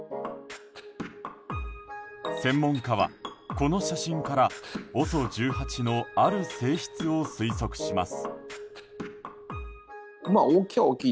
専門家は、この写真からＯＳＯ１８のある性質を推測します。